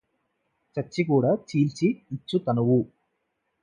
చచ్చి కూడ చీల్చి యిచ్చు తనువు